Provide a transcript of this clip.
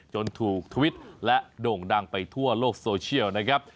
จนถูกทวิตและโด่งดังไปทั่วโลกโซเชียลนะครับ